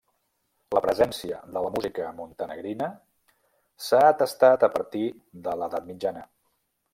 La presència de la música montenegrina s'ha atestat a partir de l'edat mitjana.